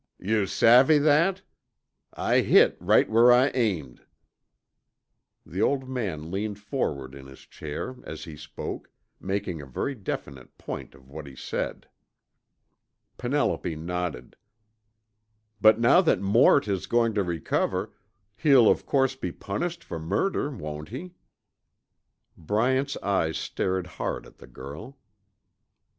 Yuh savvy that? I hit right where I aimed!" The old man leaned forward in his chair as he spoke, making a very definite point of what he said. Penelope nodded. "But now that Mort is going to recover, he'll of course be punished for murder, won't he?" Bryant's eyes stared hard at the girl.